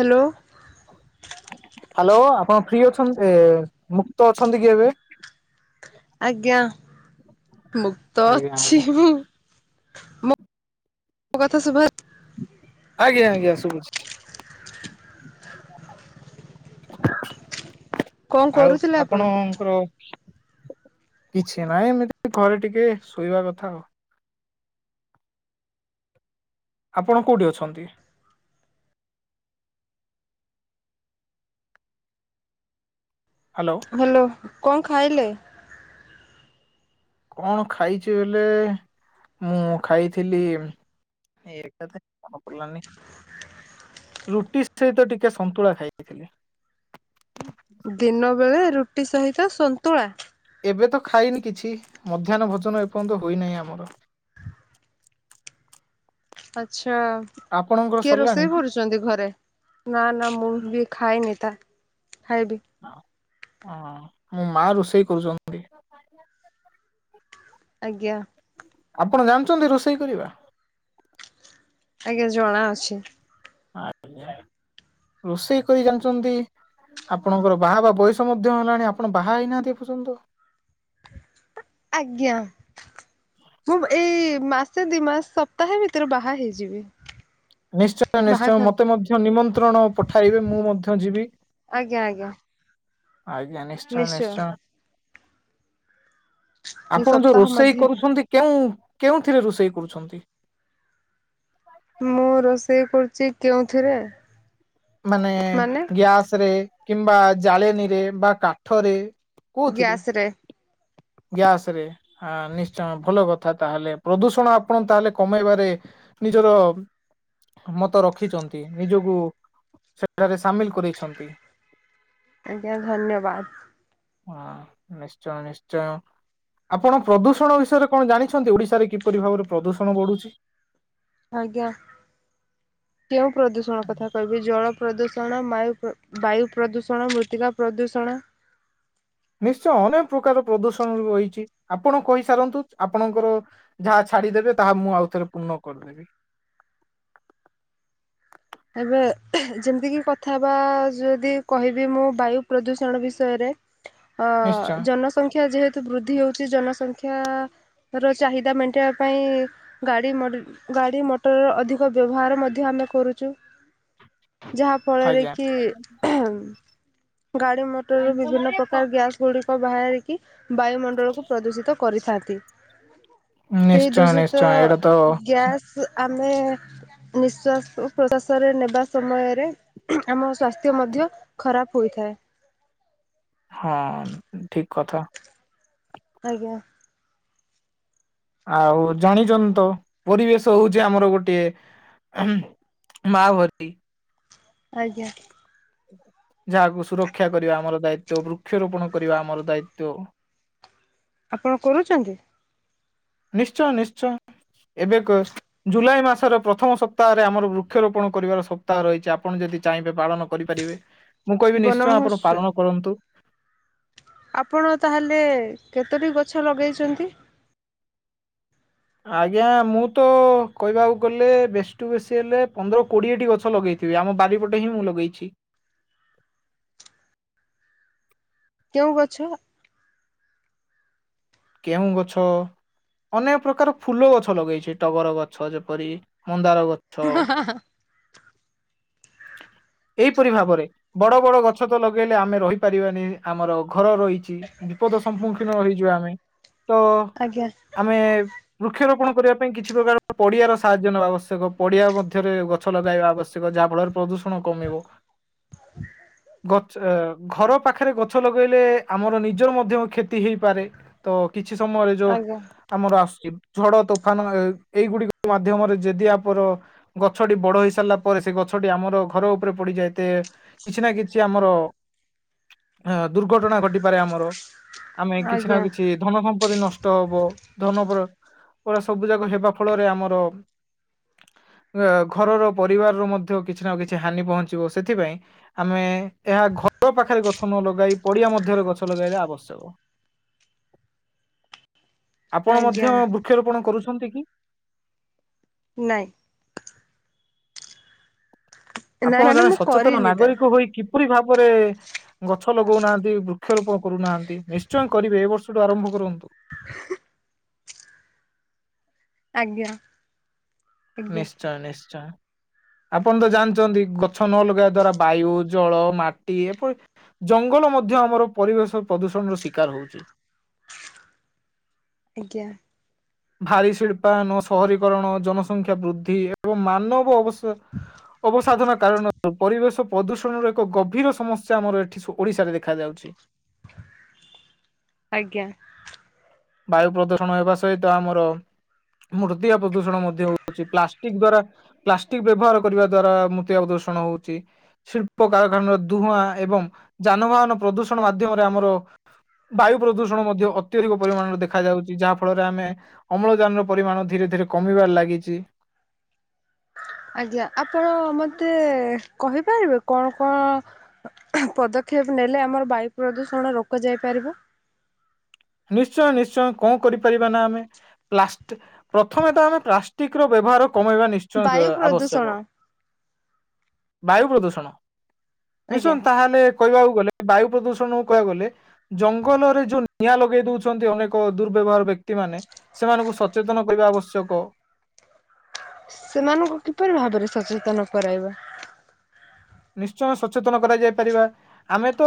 Hello. Hello ଆପଣ free ଅଛନ୍ତି ଏ ମୁକ୍ତ ଅଛନ୍ତି କି ଏବେ। ଆଜ୍ଞା ମୁକ୍ତ ଆଜ୍ଞା ଅଛି ଆଜ୍ଞା ମୁଁ। ମୁଁ ମୋ କଥା ସୁଭା ଆଜ୍ଞା ଆଜ୍ଞା ଶୁଭୁଛି। କଣ ଆଉ କରୁଥିଲେ ଆପଣ କିଛି ନାହିଁ ଏମିତି ଘରେ ଟିକେ ଶୋଇବା କଥା ଆଉ। ଆପଣ କଉଠି ଅଛନ୍ତି? ହ୍ୟାଲୋ। ହ୍ୟାଲୋ କଣ ଖାଇଲେ? କଣ ଖାଇଛି ବଲେ ମୁଁ ଖାଇଥିଲି ଏଇ କଥା ମନେପଡ଼ିଲାନି। ରୁଟି ସହିତ ଟିକେ ସନ୍ତୁଳା ଖାଇଥିଲି। ଦିନ ବେଳେ ରୁଟି ସହିତ ସନ୍ତୁଳା? ଏବେ ତ ଖାଇନି କିଛି ମଧ୍ୟାହ୍ନ ଭୋଜନ ଏପର୍ଯ୍ୟନ୍ତ ହୋଇନାହିଁ ଆମର। ଆଚ୍ଛା ଆପଣଙ୍କର କିଏ ସରିଲାଣି ରୋଷେଇ କି? କରୁଛି? ଚନ୍ତି ଘରେ ନା ନା ମୁଁ ବି ଖାଇନି ତା ଖାଇବି। ହ ମୋ ମା ରୋଷେଇ କରୁଛନ୍ତି। [unintelligible] ହ୍ ଆଜ୍ଞା। ଆପଣ ଜାଣିଛନ୍ତି ରୋଷେଇ କରିବା? ଆଜ୍ଞା ଜଣାଅଛି। ଆ ରୋଷେଇ କରି ଜାଣିଛନ୍ତି ଆପଣଙ୍କର ବାହା ହେବା ବୟସ ମଧ୍ୟ ହେଲାଣି ଆପଣ ବାହା ହେଇନାହାନ୍ତି ଏ ପର୍ଯ୍ୟନ୍ତ। ଆଜ୍ଞା। ମୁଁ ଏଇ ମାସେ ଦି ମାସ ସପ୍ତାହେ ଭିତରେ ବାହା ହେଇଯିବି। ନିଶ୍ଚୟ ନିଶ୍ଚୟ ବାହାଘର ମତେ ମଧ୍ୟ ନିମନ୍ତ୍ରଣ ପଠାଇବେ ମୁଁ ମଧ୍ୟ ଯିବି। ଆଜ୍ଞା ଆଜ୍ଞା। ଆଜ୍ଞା ନିଶ୍ଚୟ ନିଶ୍ଚୟ। ଏଇ ଆପଣ ଯୋଉ ସପ୍ତାହ ରୋଷେଇ ମଧ୍ୟରେ। କରୁଛନ୍ତି କେଉଁ କେଉଁଥିରେ ରୋଷେଇ କରୁଛନ୍ତି? ମୁଁ ରୋଷେଇ କରୁଛି କେଉଁଥିରେ ମାନେ ଗ୍ୟାସ ରେ କିମ୍ବା ଜାଳେନୀରେ ବା କାଠରେ? କୋଉଥିରେ? ଗ୍ୟାସ ରେ। ଗ୍ୟାସ ରେ ନିଶ୍ଚୟ ଭଲ କଥା ତାହେଲେ ପ୍ରଦୂଷଣ ଆପଣ ତାହେଲେ କମେଇବାରେ ନିଜର ମତ ରଖିଛନ୍ତି ନିଜକୁ ସେଠାରେ ସାମିଲ କରେଇଛନ୍ତି। ଆଜ୍ଞା ଧନ୍ୟବାଦ। ହଁ ନିଶ୍ଚୟ ନିଶ୍ଚୟ। ଚୟ ଆପଣ ପ୍ରଦୂଷଣ ବିଷୟରେ କଣ ଜାଣିଛନ୍ତି ଓଡିଶାରେ କିପରି ଭାବରେ ପ୍ରଦୂଷଣ ବଢୁଛି? ଆଜ୍ଞା କେଉଁ ପ୍ରଦୂଷଣ କଥା କହିବି ଜଳ ପ୍ରଦୂଷଣ ବାୟୁ ବାୟୁ ପ୍ରଦୂଷଣ ମୃତ୍ତିକା ପ୍ରଦୂଷଣ ନିଶ୍ଚୟ ଅନେକ ପ୍ରକାର ପ୍ରଦୂଷଣ ରହିଛି ଆପଣ କହିସାରନ୍ତୁ ଆପଣଙ୍କର ଯାହା ଛାଡିଦେବେ ତାହା ମୁଁ ଆଉ ଥରେ ପୂର୍ଣ୍ଣ କରିଦେବି। ଏବେ ଯେମିତିକି କଥା ବା ଯଦି କହିବି ମୁଁ ବାୟୁ ପ୍ରଦୂଷଣ ବିଷୟରେ ଅ ନିଶ୍ଚୟ ଜନସଂଖ୍ୟା ଯେହେତୁ ବୃଦ୍ଧି ହଉଛି ଜନସଂଖ୍ୟା ର ଚାହିଦା ମେଣ୍ଟେଇବା ପାଇଁ ଗାଡି ମଟ ଗାଡି ମଟର ଅଧିକ ବ୍ୟବହାର ମଧ୍ୟ ଆମେ କରୁଛୁ। ଯାହା ଫଳରେ ଆଜ୍ଞା। କି ଗାଡି ମଟରରୁ ବିଭିନ୍ନ ପ୍ରକାର ଗ୍ୟାସ ଗୁଡିକ ବାହାରିକି ବାୟୁମଣ୍ଡଳକୁ ପ୍ରଦୂଷିତ କରିଥାନ୍ତି ସେଇ ନିଶ୍ଚୟ ଦୂଷିତ ନିଶ୍ଚୟ ଏଇଟା ତ ଗ୍ୟାସ ଆମେ ନିଶ୍ଵାସ ପ୍ରଶାସରେ ନେବା ସମୟରେ ଆମ ସସ୍ଥ୍ୟ ମଧ୍ୟ ଖରାପ ହୋଇଥାଏ। ହଁ ଠିକ କଥା। ଆଜ୍ଞା। ଆଉ ଜାଣିଛନ୍ତି ତ ପରିବେଶ ହଉଛି ଆମର ଗୋଟିଏ ହୁଁ [unintelligible] ଆଜ୍ଞା। ଯାହାକୁ ସୁରକ୍ଷା କରିବା ଆମର ଦାୟିତ ବୃକ୍ଷରୋପଣ କରିବା ଆମର ଦାୟିତ? ଆପଣ କରୁଛନ୍ତି? ନିଶ୍ଚୟ ନିଶ୍ଚୟ ଏବେ କ ଜୁଲାଇ ମାସର ପ୍ରଥମ ସପ୍ତାହରେ ଆମର ବୃକ୍ଷରୋପଣ କରିବାର ସପ୍ତାହ ରହିଛି ଆପଣ ଯଦି ଚାହିଁବେ ପାଳନ କରିପାରିବେ ମୁଁ କହିବି ବନ ନିଶ୍ଚୟ ଆପଣ ମହୋତ୍ସବ? ପାଳନ କରନ୍ତୁ। ଆପଣ ତାହେଲେ କେତୋଟି ଗଛ ଲଗେଇଛନ୍ତି? ଆଜ୍ଞା ମୁଁ ତ କହିବାକୁ ଗଲେ ବେଶୀଠୁ ବେଶୀ ହେଲେ ପନ୍ଦର କୋଡ଼ିଏଟି ଗଛ ଲଗେଇଛି। ଆମ ବାରିପଟେ ହିଁ ମୁଁ ଲଗେଇଛି। କେଉଁ ଗଛ? କେଉଁ ଗଛ ଅନେକ ପ୍ରକାର ଫୁଲ ଗଛ ଲଗେଇଛି ଟଗର ଗଛ ଯେପରି ମନ୍ଦାର ଗଛ ହଁ ହିଁ ହିଁ ଏଇପରି ଭାବରେ ବଡ ବଡ ଗଛ ତ ଲଗେଇଲେ ଆମେ ରହିପାରିବାନି ଆମର ଘର ରହିଛି। ବିପଦ ସମ୍ମୁଖୀନ ହେଇଯିବା ଆମେ ତ ଆଜ୍ଞା ଆମେ ବୃକ୍ଷରୋପଣ କରିବା ପାଇଁ କିଛି ପ୍ରକାର ପଡିଆର ସାହାଯ୍ୟ ନେବା ଆବଶ୍ୟକ ପଡିଆ ମଧ୍ୟରେ ଗ ଗଛ ଲଗାଇବା ଆବଶ୍ୟକ ଯାହାଫଳରେ ପ୍ରଦୂଷଣ କମିବ। ଘର ପାଖରେ ଗଛ ଲଗାଇଲେ ଆମର ନିଜ ମଧ୍ୟ କ୍ଷତି ହେଇପାରେ ତ କିଛି ସମୟରେ ଯୋ ଆଜ୍ଞା ଆମର ଆସୁଛି ଝଡ ତୋଫାନ ଏଇଗୁଡିକ ମାଧ୍ୟମରେ ଯଦି ଆପର ଗଛଟି ବଡ ହେଇ ସାରିଲା ପରେ ସେ ଗଛଟି ଆମର ଘର ଉପରେ ପଡିଯାଏତେ କିଛି ନା କିଛି ଆମର ଅ ଦୁର୍ଘଟଣା ଘଟିପାରେ ଆମର ଆମେ କିଛି ନା ଆଜ୍ଞା କିଛି ଧନ ସମ୍ପତ୍ତି ନଷ୍ଟ ହବ ଧନ ଫଳ ସବୁ ଯାକ ହେବା ଫଳରେ ଆମର ଘରର ପରିବାରରୁ ମଧ୍ୟ କିଛି ନା କିଛି ହାନି ପହଞ୍ଚିବ ସେଥିପାଇଁ ଆମେ ଏହା ଘର ପାଖରେ ଗଛ ନ ଲଗାଇ ପଡିଆ ମଧ୍ୟରେ ଗଛ ଲଗେଇଲେ ଆବଶ୍ୟକ। ଆପଣ ଆଜ୍ଞା ମଧ୍ୟ ବୃକ୍ଷରୋପଣ କରୁଛନ୍ତି କି? ନାଇଁ ନାଇଁ ଆପଣ ମାନେ ଜଣେ ମୁଁ ସଚେତନ କରିନି ତା ନାଗରିକ ହୋଇ କି ପରି ଭାବରେ ଗଛ ଲଗଉନାହାନ୍ତି ବୃକ୍ଷରୋପଣ କରୁନାହାନ୍ତି ନିଶ୍ଚୟ କରିବେ ଏ ବର୍ଷ ଠୁ ଆରମ୍ଭ କରନ୍ତୁ। ହଁ [unintelligible] ଆଜ୍ଞା ଆଜ୍ଞା। ନିଶ୍ଚୟ ନିଶ୍ଚୟ ଆପଣ ତ ଜାଣିଛନ୍ତି ଗଛ ନ ଲଗେଇବା ଦ୍ଵାରା ବାୟୁ ଜଳ ମାଟି ଏପରି ଜଙ୍ଗଲ ମଧ୍ୟ ଆମର ପରିବେଶ ପ୍ରଦୂଷଣର ଶିକାର ହଉଛି। ଆଜ୍ଞ। ଭାଳି ଶିଳ୍ପାୟନ ସହରୀକରଣ ଜନସଂଖ୍ୟା ବୃଦ୍ଧି ଏବଂ ମାନବ ଅବ ଅବସାଧନ କାରଣରୁ ପରିବେଶ ପ୍ରଦୂଷଣର ଏକ ଗଭୀର ସମସ୍ୟା ଆମର ଏଠି ଓଡ଼ିଶାରେ ଦେଖାଯାଉଛି। ଆଜ୍ଞା। ବାୟୁ ପ୍ରଦୂଷଣ ହେବା ସହିତ ଆମର ମୃତିଆ ପ୍ରଦୂଷଣ ମଧ୍ୟ ହଉଛି ପ୍ଲାଷ୍ଟିକ ଦ୍ଵାରା ପ୍ଲାଷ୍ଟିକ ବ୍ୟବହାର କରିବା ଦ୍ଵାରା ମୃତ୍ତିକା ପ୍ରଦୂଷଣ ହଉଛି। ଶିଳ୍ପ କାରଖାନା ଧୁଆଁ ଏବଂ ଯାନବାହାନ ପ୍ରଦୂଷଣ ମାଧ୍ୟମରେ ଆମର ବାୟୁ ପ୍ରଦୂଷଣ ମଧ୍ୟ ଅତ୍ୟଧିକ ପରିମାଣରେ ଦେଖା ଯାଉଛି ଯାହା ଫଳରେ ଆମେ ଅମ୍ଳଜାନ ର ପରିମାଣ ଧୀରେ ଧୀରେ କମିବାରେ ଲାଗିଛି। ଆଜ୍ଞା, ଆପଣ ମୋତେ କହିପାରିବେ କଣ କଣ? ପଦକ୍ଷେପ ନେଲେ ଆମର ବାୟୁ ପ୍ରଦୂଷଣ ରୋକା ଯାଇ ପାରିବ। ନିଶ୍ଚୟ ନିଶ୍ଚୟ କଣ କରିପାରିବା ନା ଆମେ ପ୍ଲାଷ୍ଟ ପ୍ରଥମେ ତ ଆମେ ପ୍ଲାଷ୍ଟିକ ର ବ୍ୟବହାର କମେଇବା ବାୟୁ ନିଶ୍ଚୟ ଆବଶ୍ୟକ। ପ୍ରଦୂଷଣ ବାୟୁ ପ୍ରଦୂଷଣ ଆଜ୍ଞା ନିଶ୍ଚନ୍ତ ତାହେଲେ କହିବାକୁ ଗଲେ ବାୟୁ ପ୍ରଦୂଷଣ କହିବାକୁ ଗଲେ ଜଙ୍ଗଲରେ ଯୋଉ ନିଆଁ ଲଗେଇ ଦଉଛନ୍ତି ଅନେକ ଦୁର୍ବ୍ୟବହାର ବ୍ୟକ୍ତି ମାନେ, ସେମାନଙ୍କୁ ସଚେତନ କରିବା ଆବଶ୍ୟକ। ସେମାନଙ୍କୁ କିପରି ଭାବରେ ସଚେତନ କରାଇବା? ନିଶ୍ଚୟ ସଚେତନ କରାଯାଇ ପାରିବା ଆମେ ତ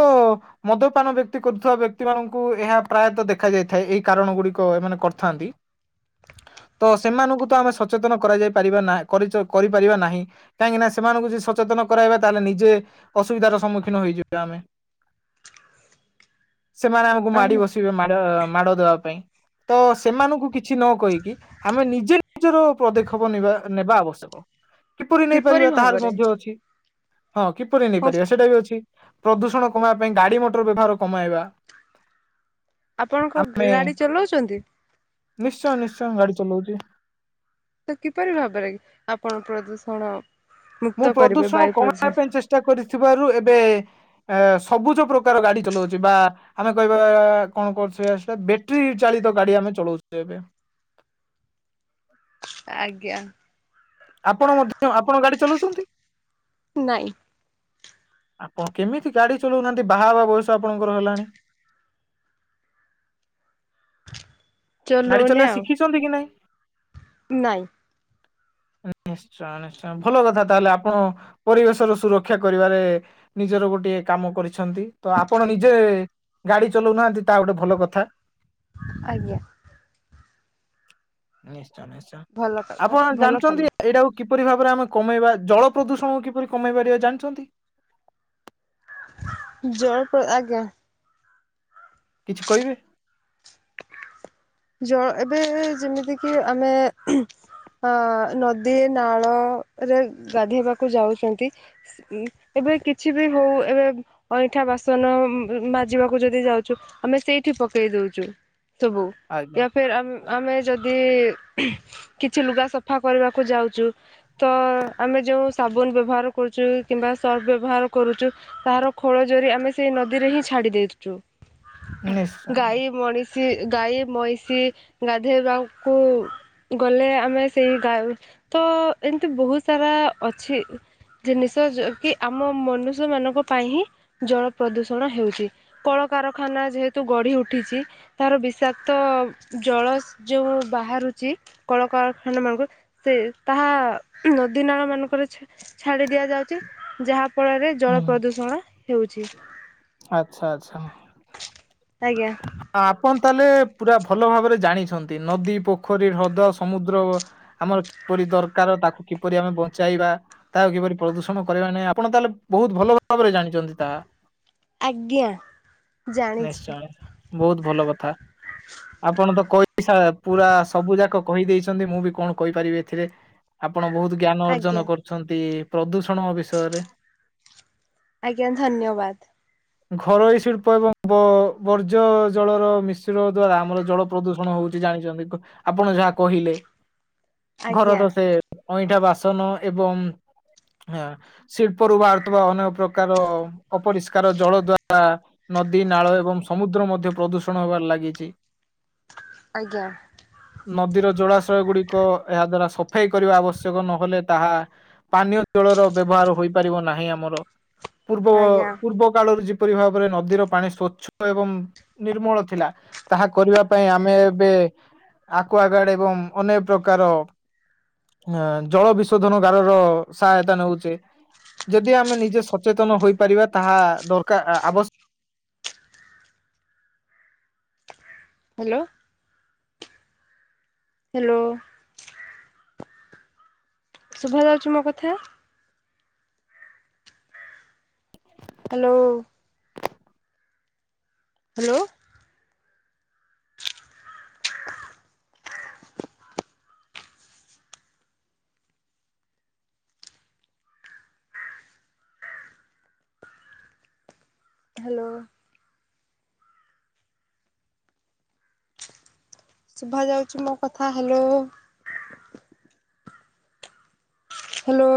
ମଦପାନ ବ୍ୟକ୍ତି କରୁଥିବା ବ୍ୟକ୍ତି ମାନଙ୍କୁ ଏହା ପ୍ରାୟତ ଦେଖା ଯାଇଥାଏ ଏହିଇ କାରଣ ଗୁଡିକ ଏମାନେ କରିଥାନ୍ତି। ତ ସେମାନଙ୍କୁ ତ ଆମେ ସଚେତନ କରାଯାଇ ପାରିବା ନାଁ, କରି କରିପାରିବା ନାହିଁ। କାହିଁକିନା ସେମାନଙ୍କୁ ଯ ସଚେତନ କରାଇବା। ତାହେଲେ ନିଜେ ଅସୁବିଧାର ସମ୍ମୁଖୀନ ହେଇଯିବେ ଆମେ। ସେମାନେ ଆମକୁ ମାଡି ଆମେ ବସିବେ ମା ମାଡ ଦେବା ପାଇଁ। ତ ସେମାନଙ୍କୁ କିଛି ନ କହିକି ଆମେ ନିଜେ ନିଜର ପଦକ୍ଷେପ ନେବା ନେବା ଆବଶ୍ୟକ। କିପରି ନେଇପାରିବା ତାହାର ମଧ୍ୟ ଅଛି। ହଁ କିପରି ହଁ ନେଇପାରିବା ସେଇଟା ବି ଅଛି ପ୍ରଦୂଷଣ କମାଇବା ପାଇଁ ଗାଡି ମଟର ବ୍ୟବହାର କମାଇବା। ଆପଣଙ୍କ ଆମେ ଗାଡ଼ି ଚଲାଉଛନ୍ତି? ନିଶ୍ଚୟ ନିଶ୍ଚୟ ଗାଡି ଚଲାଉଛି। ତ କିପରି ଭାବରେ କି ଆପଣ ପ୍ରଦୂଷଣ? ମୁକ୍ତ ମୁଁ କରିବେ ପ୍ରଦୂଷଣ ବାୟୁ କମେଇବା ପ୍ରଦୂଷଣ। ପାଇଁ ଚେଷ୍ଟା କରିଥିବାରୁ ଏବେ ଏ ସବୁଜ ପ୍ରକାର ଗାଡି ଚଲାଉଛି ବା ଆମେ କହିବା କଣ କଣ [unintelligible] ଆସିଲା ବ୍ୟାଟେରୀ ଚାଳିତ ଗାଡି ଆମେ ଚଳଉଛୁ ଏବେ ଆଜ୍ଞା। ଆପଣ ମଧ୍ୟ ଆପଣ ଗାଡି ଚଲାଉଛନ୍ତି? ନାଇଁ। ଆପଣ କେମିତି ଗାଡି ଚଳଉନାହାନ୍ତି ବାହା ବା ବୟସ ଆପଣଙ୍କର ହେଲାଣି। ଗାଡ଼ି ଚଲଉନି ଚଲେଇବା ଆଉ ଶିଖିଛନ୍ତି କି ନାଇଁ? ନାଇଁ। [unintelligible] ନିଶ୍ଚୟ ଭଲ କଥା ତାହେଲେ ଆପଣ ପରିବେଶର ସୁରକ୍ଷା କରିବାରେ ନିଜର ଗୋଟେ କାମ କରିଛନ୍ତି, ତ ଆପଣ ନିଜେ ଗାଡି ଚଲଉନାହାନ୍ତି ତା ଗୋଟେ ଭଲ କଥା। ଆଜ୍ଞା। ନିଶ୍ଚୟ ନିଶ୍ଚୟ ଭଲ କଥା ଆପଣ ଭଲ କାମ। ଜାଣିଛନ୍ତି ଏଇଟାକୁ କିପରି ଭାବରେ ଆମେ କମେଇବା ଜଳ ପ୍ରଦୂଷଣକୁ କିପରି କମେଇ ପାରିବା ଜାଣିଛନ୍ତି? ଜୋର ଆଜ୍ଞା। କିଛି କହିବେ। ଜ ଏବେ ଯେମିତି କିି ଆମେ ଅ ନଦୀ ନାଳ ରେ ଗାଧେଇବାକୁ ଯାଉଛନ୍ତି ଏବେ କିଛି ବି ହଉ ଏବେ ଅଇଁଠା ବାସନ ମାଜିବାକୁ ଯଦି ଯାଉଛୁ ଆମେ ସେଇଠି ପକେଇ ଦଉଛୁ। ସବୁ। ଆଜ୍ଞା। ଫେର୍ ଆମେ ଯଦି କିଛି ଲୁଗା ସଫା କରିବାକୁ ଯାଉଛୁ ତ ଆମେ ଯେଉଁ ସାବୁନ ବ୍ୟବହାର କରୁଛୁ କିମ୍ବା ସର୍ଫ ବ୍ୟବହାର କରୁଛୁ ତାହାର ଖୋଳ ଜରି ଆମେ ସେଇ ନଦୀରେ ହିଁ ଛାଡି ଦେଇଉଛୁ। ନିଶ୍ଚୟ ଗାଈ ମଣିଷୀ ଗାଈ ମଇଁଷି ଗାଧୋଇବାକୁ ଗଲେ ଆମେ ସେଇ ଗା ତ ଏମିତି ବହୁତ ସାରା ଅଛି। ଜିନିଷ କି ଆମ ମନୁଷ୍ୟ ମାନଙ୍କ ପାଇଁ ହିଁ ଜଳ ପ୍ରଦୂଷଣ ହେଉଛି। କଳକାରଖାନା ଯେହେତୁ ଗଢି ଉଠିଛି, ତାର ବିଶାକ୍ ତ ଜଳ ଯୋଉ ବାହାରୁଛି କଳକାରଖାନା ମାନଙ୍କୁ ସେ ତାହା ନଦୀ ନାଳ ମାନଙ୍କରେ ଛାଡି ଦିଆଯାଉଛି, ଯାହା ଯାହା ଫଳରେ ଜଳ ହୁଁ ପ୍ରଦୂଷଣ ହେଉଛି। ଆଚ୍ଛା ଆଚ୍ଛା। ଆଜ୍ଞା। ଆପଣ ତାହେଲେ ପୁରା ଭଲ ଭାବରେ ଜାଣିଛନ୍ତି ନଦୀ, ପୋଖରୀ, ହ୍ରଦ, ସମୁଦ୍ର ଆମର କିପରି ଦରକାର ତାକୁ କିପରି ଆମେ ବଞ୍ଚେଇବା। ତାକୁ କିପରି ପ୍ରଦୂଷଣ କରିବା ନାଇଁ ଆପଣ ତାହେଲେ ବହୁତ ଭଲ ଭାବରେ ଜାଣିଛନ୍ତି ତାହା। ଆଜ୍ଞା ଜାଣିଛି। ନିଶ୍ଚୟ ବହୁତ ଭଲ କଥା। ଆପଣ ତ କହି ପୁରା ସବୁ ଯାକ କହିଦେଇଛନ୍ତି ମୁଁ ବି କଣ କହିପାରିବି ଏଥିରେ। ଆପଣ ବହୁତ ଜ୍ଞାନ ଆଜ୍ଞା ଅର୍ଜନ କରୁଛନ୍ତି ପ୍ରଦୂଷଣ ବିଷୟରେ। ଆଜ୍ଞା ଧନ୍ୟବାଦ। ଘରୋଇ ଶିଳ୍ପ ଏବଂ ବର୍ଜ୍ୟ ଜଳର ମିଶ୍ରଣ ଦ୍ଵାରା ଆମର ଜଳ ପ୍ରଦୂଷଣ ହଉଛି ଜାଣିଛନ୍ତି ଆପଣ ଯାହା କହିଲେ, ଆଜ୍ଞା ଘରର ସେ ଅଇଁଠା ବାସନ ଏବଂ ହଁ ଶିଳ୍ପରୁ ବାରୁଥିବା ଅନେକ ପ୍ରକାର ଅପରିଷ୍କାର ଜଳ [inaudible] ନଦୀ ନାଳ ଏବଂ ସମୁଦ୍ର ମଧ୍ୟ ପ୍ରଦୂଷଣ ହେବାରେ ଲାଗିଛି। [unintelligible] ଆଜ୍ଞା। ନଦୀର ଜଳାଶୟ ଗୁଡିକ ଏହା ଦ୍ଵାରା ସଫେଇ କରିବା ଆବଶ୍ୟକ ନହେଲେ ତାହା ପାନୀୟ ଜଳର ବ୍ୟବହାର ହୋଇପାରିବ ନାହିଁ। ଆମର ପୂର୍ବ ଆଜ୍ଞା ପୂର୍ବ କାଳରୁ ଯେପରି ଭାବରେ ନଦୀର ପାଣି ସ୍ଵଚ୍ଛ ଏବଂ ନିର୍ମଳ ଥିଲା ତାହା କରିବା ପାଇଁ ଆମେ ଏବେ ଆକୁଆ ଗାର୍ଡ ଏବଂ ଅନେକ ପ୍ରକାର ଅ ଜଳ ବିଶୋଧନ ଗାର ର ସହାୟତା ନଉଛେ। ଯଦି ଆମେ ନିଜେ ସଚେତନ ହୋଇପାରିବା ତାହା ଦରକାର ଆବଶ୍ୟ ହ୍ୟାଲୋ। ହ୍ୟାଲୋ। ଶୁଭା ଯାଉଛି ମୋ କଥା? ହ୍ୟାଲୋ। ହ୍ୟାଲୋ। ହ୍ୟାଲୋ। ଶୁଭା ଯାଉଛି ମୋ କଥା ହ୍ୟାଲୋ? ହାଲୋ